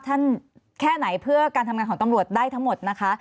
แค่ไหนเพื่อการทำงานของตำรวจได้ทั้งหมดนะคะ